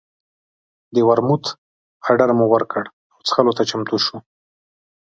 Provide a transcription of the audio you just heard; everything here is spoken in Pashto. د ورموت اډر مو ورکړ او څښلو ته چمتو شول.